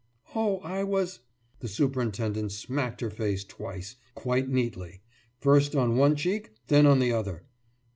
« »Oh, I was....« The superintendent smacked her face twice, quite neatly, first on one cheek then on the other.